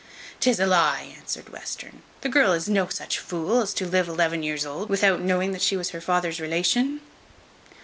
"'Tis a lie," answered Western. "The girl is no such fool, as to live to eleven years old without knowing that she was her father's relation."